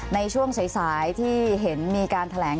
ในช่วงสายที่เห็นมีการแถลง